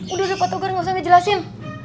udah deh pak togar gak usah ngejelasin